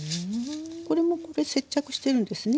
これも接着してるんですね